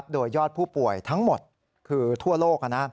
โดยยอดผู้ป่วยทั้งหมดคือทั่วโลก